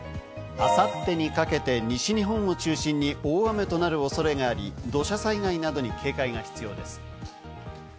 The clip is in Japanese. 明後日にかけて西日本を中心に大雨となる恐れがあり、土砂災害などに警戒が必要です。